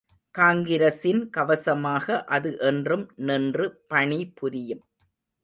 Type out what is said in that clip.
காங்கிரசின் கவசமாக அது என்றும் நின்று பணி புரியும்.